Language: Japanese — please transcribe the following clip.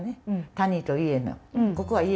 谷と家のここは「家」